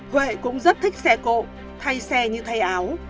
huệ cũng rất thích xe cộ hay xe như thay áo